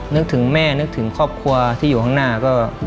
นึกถึงแม่นึกถึงครอบครัวที่อยู่ข้างหน้าก็